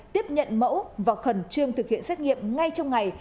tiếp nhận mẫu và khẩn trương thực hiện xét nghiệm ngay trong ngày